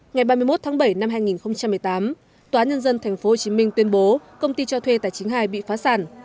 ngày ba mươi một tháng bảy năm hai nghìn một mươi tám tòa nhân dân tp hcm tuyên bố công ty cho thuê tài chính hai bị phá sản